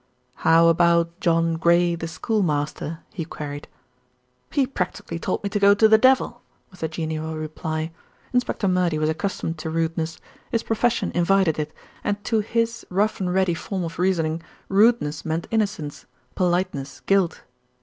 "How about John Gray, the schoolmaster?" he queried. "He practically told me to go to the devil," was the genial reply. Inspector Murdy was accustomed to rudeness; his profession invited it, and to his rough and ready form of reasoning, rudeness meant innocence; politeness guilt.